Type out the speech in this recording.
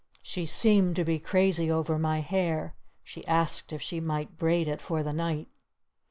She seemed to be crazy over my hair. She asked if she might braid it for the night."